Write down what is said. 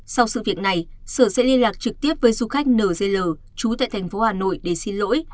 sau sự việc này sở sẽ liên lạc trực tiếp với du khách nzl chú tại thành phố hà nội để xin lỗi